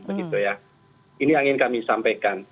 ini yang ingin kami sampaikan